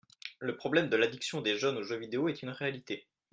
Le problème de l’addiction des jeunes aux jeux vidéo est une réalité.